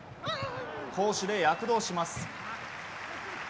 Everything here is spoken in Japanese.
攻守で躍動します。